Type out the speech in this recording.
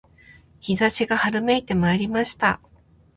陽射しが春めいてまいりました